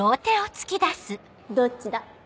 どっちだ？